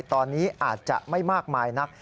ตอนนี้อาจจะไม่มากมายนัก